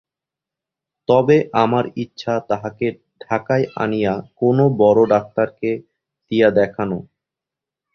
তবে আমার ইচ্ছা তাহাকে ঢাকায় আনিয়া কোনো বড় ডাক্তারকে দিয়া দেখান।